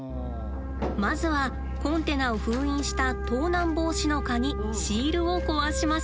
まずはコンテナを封印した盗難防止の鍵シールを壊します。